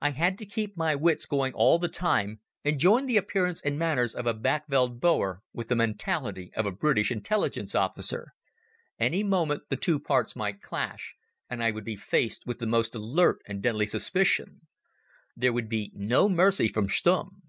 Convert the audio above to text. I had to keep my wits going all the time, and join the appearance and manners of a backveld Boer with the mentality of a British intelligence officer. Any moment the two parts might clash and I would be faced with the most alert and deadly suspicion. There would be no mercy from Stumm.